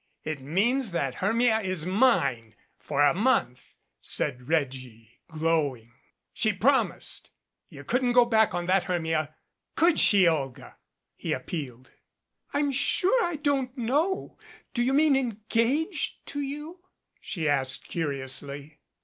"It means that Hermia is mine for a month," said Reggie, glowing. "She promised you couldn't go back on that, Hermia. Could she, Olga ?" he appealed. "I'm sure I don't know. Do you mean engaged to you?" she asked curiously.